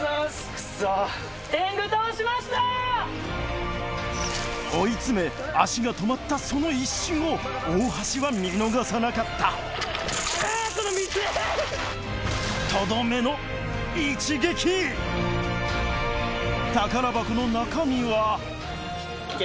・クッソ・追い詰め足が止まったその一瞬を大橋は見逃さなかったとどめの宝箱の中身は行け。